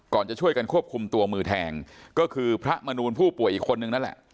จะช่วยกันควบคุมตัวมือแทงก็คือพระมนูลผู้ป่วยอีกคนนึงนั่นแหละ